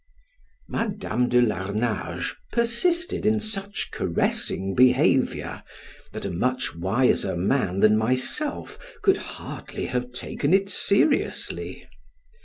Madam de Larnage persisted in such caressing behavior, that a much wiser man than myself could hardly have taken it seriously.